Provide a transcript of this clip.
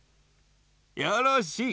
よろしい。